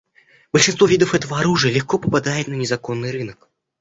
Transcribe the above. Большинство видов этого оружия легко попадает на незаконный рынок.